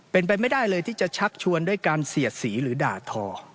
เป็นไปไม่ได้เลยที่จะชักชวนด้วยการเสียดสีหรือด่าทอ